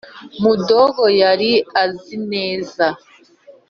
mudogo yari azi neza